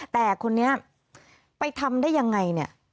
แต่คนนี้ไปทำได้ยังไง